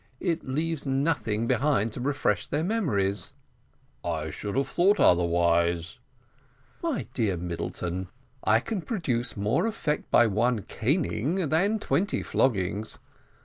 It leaves nothing behind to refresh their memory." "I should have thought otherwise." "My dear Middleton, I can produce more effect by one caning than twenty floggings.